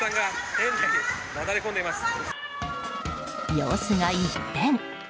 様子が一変！